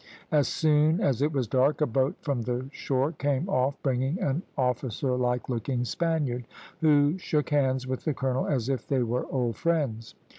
As soon as it was dark, a boat from the shore came off, bringing an officer like looking Spaniard, who shook hands with the colonel as if they were old friends.